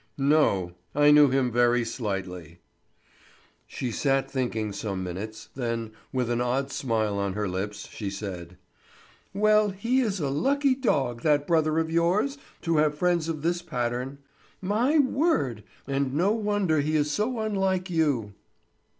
"No. I knew him very slightly." She sat thinking some minutes; then, with an odd smile on her lips, she said: "Well, he is a lucky dog, that brother of yours, to have friends of this pattern. My word! and no wonder he is so unlike you."